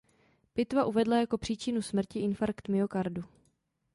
Pitva uvedla jako příčinu smrti infarkt myokardu.